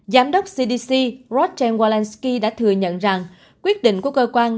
giám đốc cdc roger walensky đã thừa nhận rằng quyết định của cơ quan